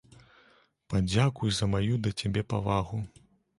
Падзякуй за маю да цябе павагу.